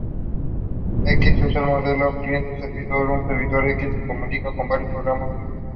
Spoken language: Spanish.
X usa el modelo cliente-servidor: un servidor X se comunica con varios programas cliente.